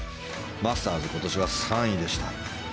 マスターズ、今年は３位でした。